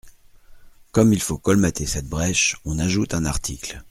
Comme il faut colmater cette brèche, on ajoute un article.